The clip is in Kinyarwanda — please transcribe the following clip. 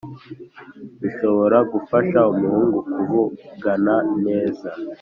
bishobora gufasha umuhungu kuvugana neza